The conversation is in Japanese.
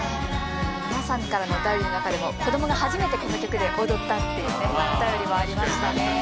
皆さんからのお便りの中でも子どもが初めてこの曲で踊ったっていうねお便りもありましたね。